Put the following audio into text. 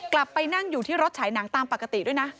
กลับไปนั่งอยู่ที่รถฉายหนังตามปกติด้วยนะ